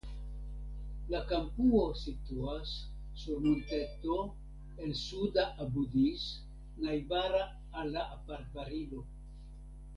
La kampuso situas sur monteto en suda Abu Dis najbara al la apartbarilo.